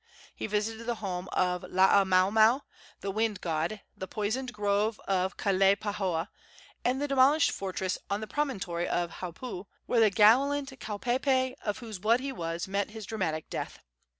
He visited the home of Laamaomao, the wind god, the poisoned grove of Kalaipahoa, and the demolished fortress on the promontory of Haupu, where the gallant Kaupeepee, of whose blood he was, met his dramatic death.